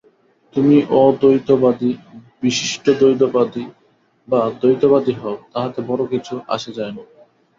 তুমি অদ্বৈতবাদী, বিশিষ্টাদ্বৈতবাদী বা দ্বৈতবাদী হও, তাহাতে বড় কিছু আসে যায় না।